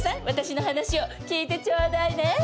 私の話を聞いてちょうだいね。